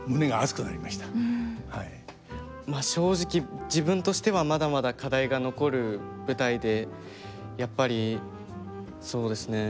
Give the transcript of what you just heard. まあ正直自分としてはまだまだ課題が残る舞台でやっぱりそうですね。